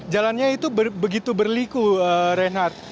jalannya itu begitu berliku reinhardt